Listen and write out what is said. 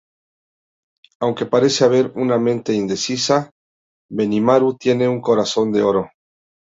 Aunque parece haber una mente indecisa, Benimaru tiene un corazón de oro.